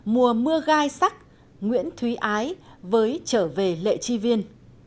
mùa mưa gai sắc nguyễn thúy ái với trở về lệ tri viên